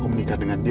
kau juga tahu legenda